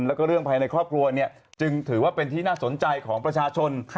แล้วก็เรื่องภายในครอบครัวจึงถือว่าเป็นที่น่าสนใจของประชาชน